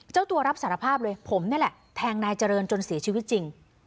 เจ้าตัวรับสารภาพเลยผมนี่แหละแทงนายเจริญจนเสียชีวิตจริง